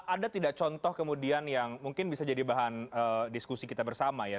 ada tidak contoh kemudian yang mungkin bisa jadi bahan diskusi kita bersama ya